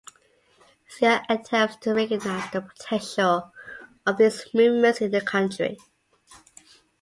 Zia attempts to recognise the potential of these movements in the country.